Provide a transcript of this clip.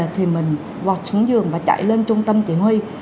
thì mình vọt xuống giường và chạy lên trung tâm chỉ huy